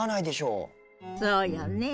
そうよね。